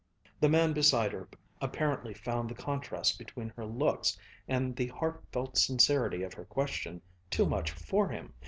The man beside her apparently found the contrast between her looks and the heartfelt sincerity of her question too much for him.